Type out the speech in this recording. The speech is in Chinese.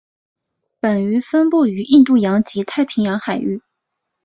本鱼分布于印度洋及太平洋海域。